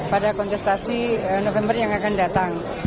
pada kontestasi november yang akan datang